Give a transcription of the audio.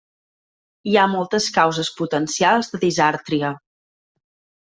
Hi ha moltes causes potencials de disàrtria.